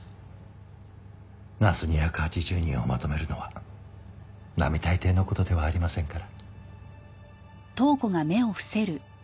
ナース２８０人をまとめるのは並大抵の事ではありませんから。